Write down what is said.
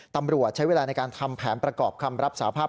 ตำรวจใช้เวลาในการทำแผนประกอบคำรับสาภาพ